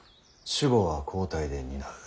守護は交代で担う。